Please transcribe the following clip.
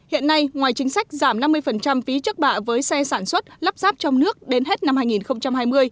hiện nay ngoài chính sách giảm năm mươi phí trước bạ với xe sản xuất lắp ráp trong nước đến hết năm hai nghìn hai mươi